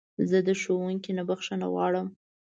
زه د ښوونکي نه بخښنه غواړم.